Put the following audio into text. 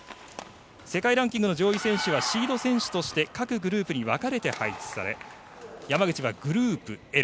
世界ランキングの上位選手はシード選手として各グループに分かれて配置され、山口はグループＬ。